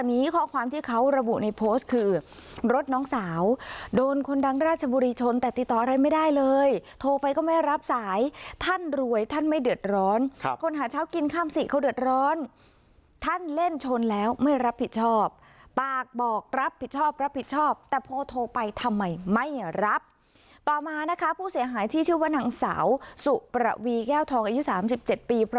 นี้ข้อความที่เขาระบุในโพสต์คือรถน้องสาวโดนคนดังราชบุรีชนแต่ติดต่ออะไรไม่ได้เลยโทรไปก็ไม่รับสายท่านรวยท่านไม่เดือดร้อนคนหาเช้ากินข้ามสิเขาเดือดร้อนท่านเล่นชนแล้วไม่รับผิดชอบปากบอกรับผิดชอบรับผิดชอบแต่พอโทรไปทำไมไม่รับต่อมานะคะผู้เสียหายที่ชื่อว่านางสาวสุประวีแก้วทองอายุสามสิบเจ็ดปีเพราะ